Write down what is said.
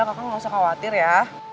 kamu gak usah khawatir ya